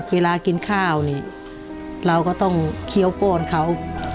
เวลากินข้าวนี่เราก็ต้องเคี้ยวป้อนเขา